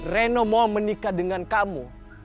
reno mau menikah dengan kamu